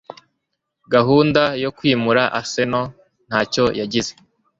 Gahunda yo Kwimura Arsenal ntacyo Yagize